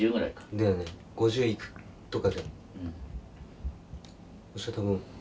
だよね５０行くとか。